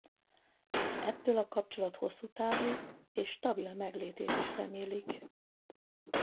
Ettől a kapcsolat hosszútávú és stabil meglétét is remélik.